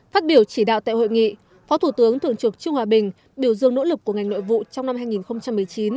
phát biểu chỉ đạo tại hội nghị phó thủ tướng thường trực trương hòa bình biểu dương nỗ lực của ngành nội vụ trong năm hai nghìn một mươi chín